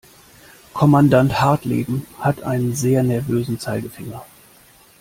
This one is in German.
Kommandant Hartleben hat einen sehr nervösen Zeigefinger.